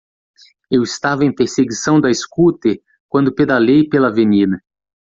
Eu estava em perseguição da scooter quando pedalei pela avenida.